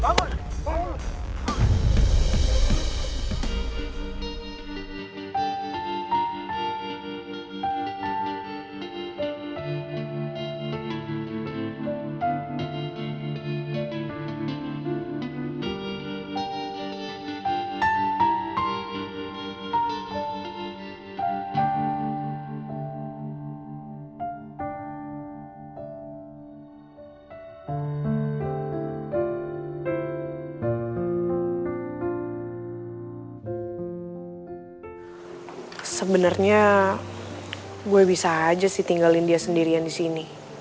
jadi merasa gidam nonchaltoo kalau sendirian